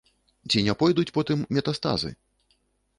Ці не пойдуць потым метастазы?